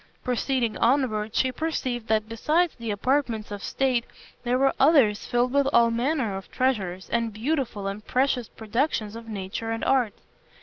Proceeding onward, she perceived that besides the apartments of state there were others filled with all manner of treasures, and beautiful and precious productions of nature and art.